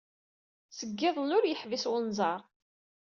Seg yiḍelli ur yeḥbis wenẓar.